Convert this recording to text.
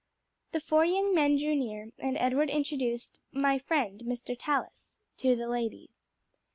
The four young men drew near, and Edward introduced "My friend, Mr. Tallis," to the ladies.